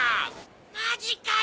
マジかよ！